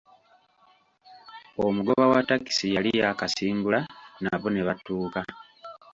Omugoba wa takisi yali yakasimbula nabo ne batuuka.